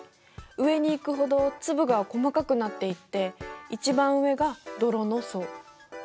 上に行くほど粒が細かくなっていって一番上が泥の層。